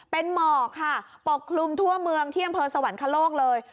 เป็นหมอกค่ะปกลุ้มทั่วเมืองเที่ยงเพิ่มสวรรค์แค่โลกเลย